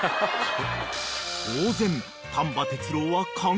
［当然］